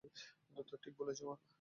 ঠিক বলেছো, মা।